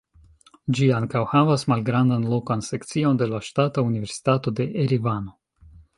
Ĝi ankaŭ havas malgrandan lokan sekcion de la Ŝtata Universitato de Erevano.